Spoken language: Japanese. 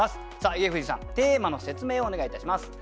家藤さんテーマの説明をお願いいたします。